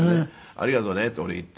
「ありがとうね」ってお礼言って。